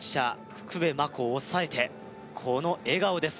福部真子を抑えてこの笑顔です